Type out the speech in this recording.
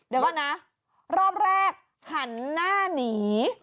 เดี๋ยวก่อนนะรอบแรกหันหน้าหนี